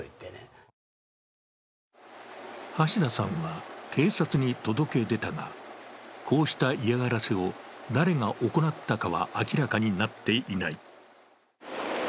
橋田さんは警察に届け出たが、こうした嫌がらせを誰が行ったかは明らかになっていない。